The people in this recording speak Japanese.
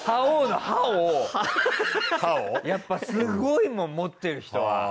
やっぱすごいもんもってる人は。